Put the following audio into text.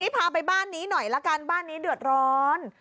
พาไปบ้านนี้หน่อยละกันบ้านนี้เดือดร้อน